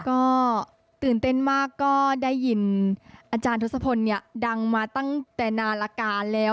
ก็ตื่นเต้นมากก็ได้ยินอาจารย์ทศพลเนี่ยดังมาตั้งแต่นารกาแล้ว